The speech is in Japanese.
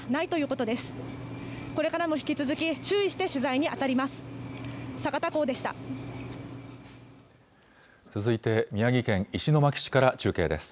これからも引き続き注意して取材に当たります。